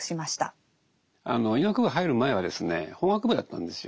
医学部入る前はですね法学部だったんですよ。